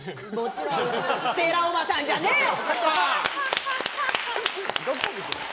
ステラおばさんじゃねーよ！